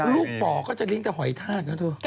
ลูกบ่อก็จะลิ้งแต่หอยทาด